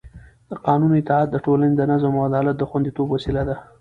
د قانون اطاعت د ټولنې د نظم او عدالت د خونديتوب وسیله ده